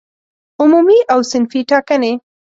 عمومي او صنفي ټاکنې